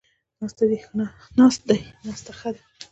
ناست دی، ناسته ښه ده